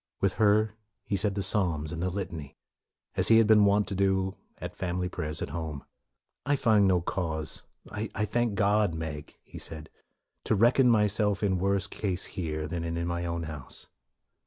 With her he said the psalms and the litany, as he had been wont to do at family prayers at home. " I find no cause, I thank God, Meg," he said, " to reckon myself in worse case here, than in mine own house.''